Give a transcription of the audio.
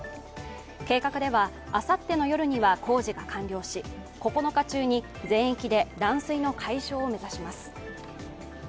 計画ではあさっての夜には工事が完了し、９日中に全域で断水の解消を目指します。